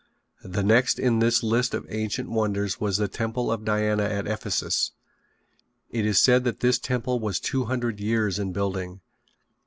The next in the list of ancient wonders was the Temple of Diana at Ephesus. It is said that this temple was two hundred years in building.